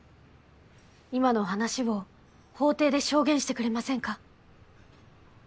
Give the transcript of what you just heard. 今の話を法廷で証言してくれませんか。